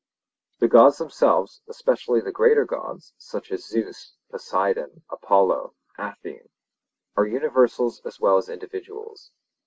The Gods themselves, especially the greater Gods, such as Zeus, Poseidon, Apollo, Athene, are universals as well as individuals.